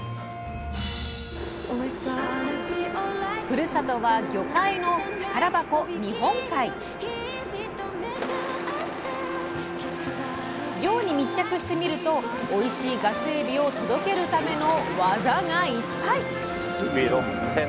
ふるさとは魚介の宝箱漁に密着してみるとおいしいガスエビを届けるための技がいっぱい！